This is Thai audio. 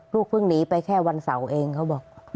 เพิ่งหนีไปแค่วันเสาร์เองเขาบอก